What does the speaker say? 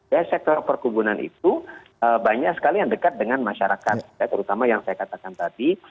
ya sektor perkebunan itu banyak sekali yang dekat dengan masyarakat ya terutama yang saya katakan tadi